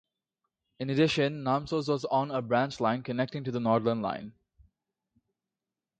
In addition, Namsos was on a branch line connecting to the Nordland Line.